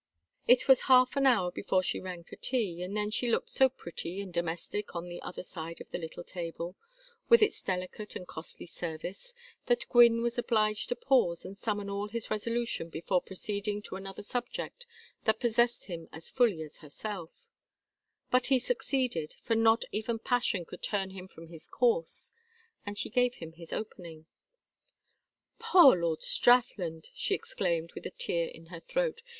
It was half an hour before she rang for tea, and then she looked so pretty and domestic on the other side of the little table, with its delicate and costly service, that Gwynne was obliged to pause and summon all his resolution before proceeding to another subject that possessed him as fully as herself; but he succeeded, for not even passion could turn him from his course; and she gave him his opening. "Poor Lord Strathland!" she exclaimed, with a tear in her throat.